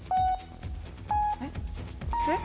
えっ？えっ？